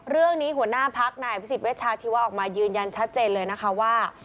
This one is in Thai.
เรื่องนี้หัวหน้าภักษ์นายอภิษฎเวชาธิวะออกมายืนยันชัดเจนเลยนะคะว่า